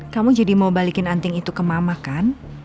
kamu jadi mau balikin anting itu ke mama kan